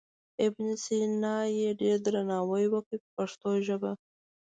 ابن سینا یې ډېر درناوی وکړ په پښتو ژبه.